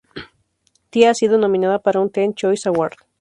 Tia ha sido nominada para un Teen Choice Award.